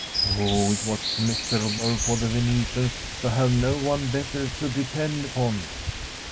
Oh, it was miserable for the Venetians to have no one better to depend upon